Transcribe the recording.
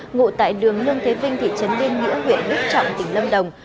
ngụ tại đường lương thế vinh thị trấn liên nghĩa huyện đức trọng tỉnh lâm đồng